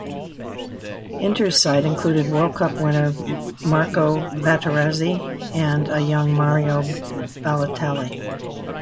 Inter's side included World Cup winner Marco Materazzi and a young Mario Balotelli.